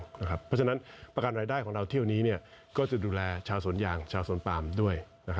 เพราะฉะนั้นประกันรายได้ของเราเที่ยวนี้ก็จะดูแลชาวสวนยางชาวสวนปามด้วย